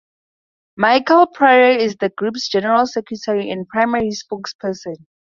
Michel Prairie is the group's general secretary and primary spokesperson.